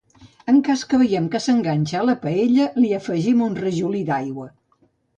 En cas que veiem que s'enganxa a la paella, li afegim un rajolí d'aigua.